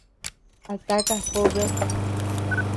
¿A taka jobed?